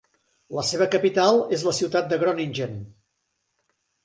La seva capital és la ciutat de Groningen.